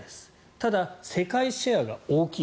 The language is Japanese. ただ、世界シェアが大きい。